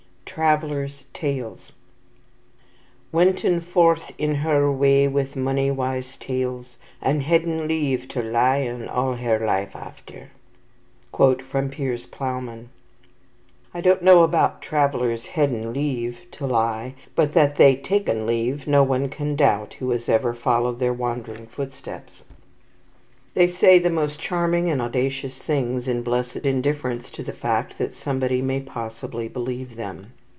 Travellers' Tales "Wenten forth in heore wey with mony wyse tales, And hedden leve to lyen al heore lyf aftir." Piers Plowman. I don't know about travellers' "hedden leve" to lie, but that they "taken leve" no one can doubt who has ever followed their wandering footsteps. They say the most charming and audacious things, in blessed indifference to the fact that somebody may possibly believe them.